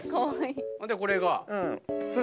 ほんでこれが。それ。